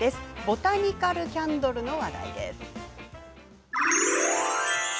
ボタニカルキャンドルの話題です。